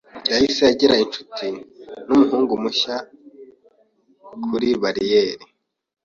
Yahise agira inshuti numuhungu mushya kuri bariyeri.